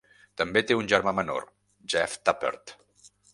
També té un germà menor, Jeff Tapert.